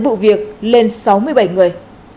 vụ việc lên sáu mươi bảy người